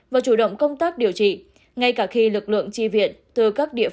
và chủ động công tác điều trị